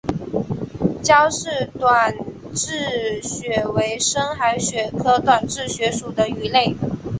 焦氏短稚鳕为深海鳕科短稚鳕属的鱼类。